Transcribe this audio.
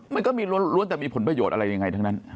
มันก็มีล้วนแต่มีผลประโยชน์อะไรยังไงทั้งนั้น